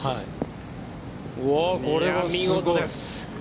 これは見事です。